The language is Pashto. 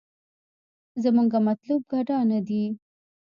زمونګه مطلوب ګډا نه دې.